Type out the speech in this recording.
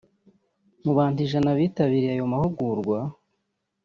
Mu bantu ijana bitabiriye ayo mahugurwa